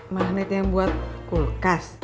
magnet yang buat kulkas